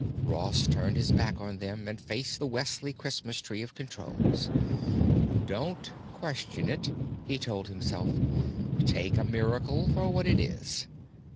Ross turned his back on them and faced the Wesley Christmas tree of controls. Don't question it, he told himself; take a miracle for what it is.